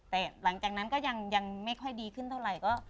แต่หลังจากนั้นก็ยังไม่ค่อยดีขึ้นเท่าไหร่